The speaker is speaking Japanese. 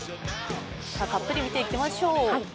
たっぷり見ていきましょう。